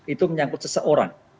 itu menyangkut seseorang